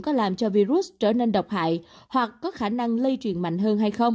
có làm cho virus trở nên độc hại hoặc có khả năng lây truyền mạnh hơn hay không